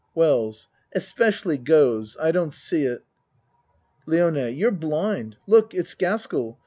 WELLS Especially goes. I don't see it. LIONE You're blind. Look it's Gaskell.